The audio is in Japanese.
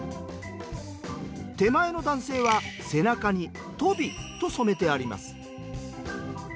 手前の男性は背中に「鳶」と染めてあります。